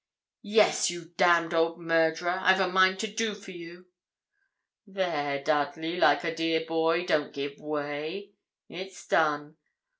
'Yes, you damned old murderer! I've a mind to do for you.' 'There, Dudley, like a dear boy, don't give way; it's done.